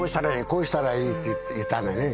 こうしたらいいって言ったんだよね